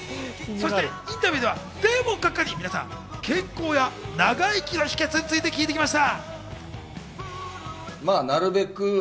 インタビューではデーモン閣下に皆さん、健康や長生きの秘訣について聞いてきました。